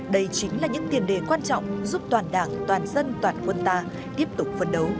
đây chính là những tiền đề quan trọng giúp toàn đảng toàn dân toàn quân ta tiếp tục phấn đấu